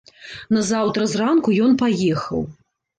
Назаўтра зранку ён паехаў.